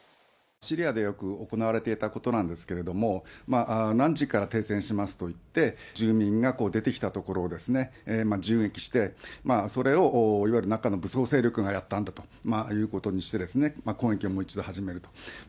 シリアでよく行われていたことなんですけれども、何時から停戦しますと言って、住民が出てきたところを銃撃して、それを、いわゆる、中の武装勢力がやったんだということにして、攻撃をもう一度始める。